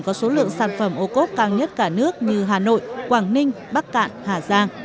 có số lượng sản phẩm ô cốp cao nhất cả nước như hà nội quảng ninh bắc cạn hà giang